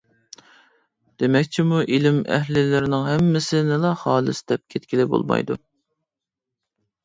دېمەكچىمۇ، «ئىلىم ئەھلىلىرىنىڭ ھەممىسىنىلا خالىس» دەپ كەتكىلى بولمايدۇ.